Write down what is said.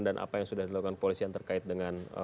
dan apa yang sudah dilakukan polisi yang terkait dengan wp